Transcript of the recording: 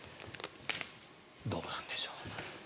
どうなんでしょう。